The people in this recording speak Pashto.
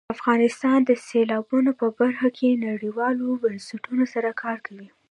افغانستان د سیلابونو په برخه کې نړیوالو بنسټونو سره کار کوي.